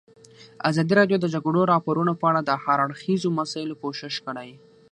ازادي راډیو د د جګړې راپورونه په اړه د هر اړخیزو مسایلو پوښښ کړی.